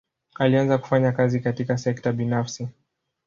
Alianza kufanya kazi katika sekta binafsi.